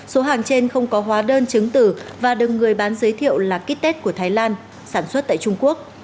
số hàng trên không có hóa đơn chứng tử và đừng người bán giới thiệu là kit test của thái lan sản xuất tại trung quốc